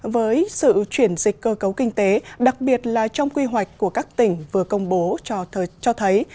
với sự chuyển dịch cơ cấu kinh tế đặc biệt là trong quy hoạch của các tỉnh vừa công bố cho thấy